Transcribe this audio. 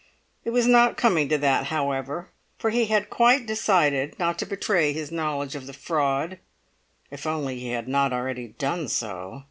It was not coming to that, however, for he had quite decided not to betray his knowledge of the fraud—if only he had not already done so!